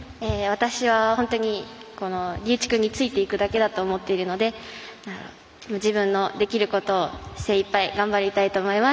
私は本当に龍一君についていくだけだと思ってるので自分のできることを精いっぱい頑張りたいと思います。